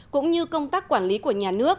cũng như công tác quản lý của nhà nước